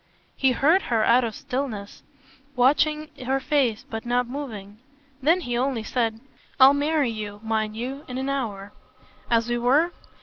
He heard her out in stillness, watching her face but not moving. Then he only said: "I'll marry you, mind you, in an hour." "As we were?"